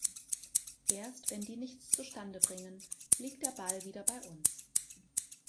Erst wenn die nichts zustande bringen, liegt der Ball wieder bei uns.